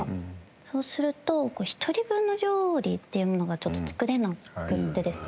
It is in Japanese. そうすると１人分の料理っていうものがちょっと作れなくてですね